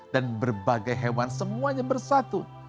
dan berbagai hewan semuanya bersatu